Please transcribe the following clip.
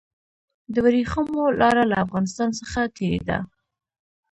د ورېښمو لاره له افغانستان څخه تیریده